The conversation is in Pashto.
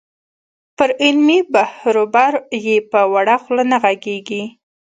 پر علمي بحروبر یې په وړه خوله نه غږېږې.